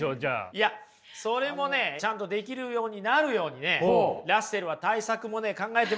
いやそれもねちゃんとできるようになるようにラッセルは対策もね考えてますよ。